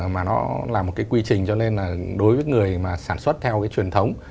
mà nó là một cái quy trình cho nên là đối với người mà sản xuất theo cái truyền thống